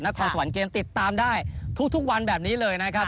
คอสวรรค์เกมติดตามได้ทุกวันแบบนี้เลยนะครับ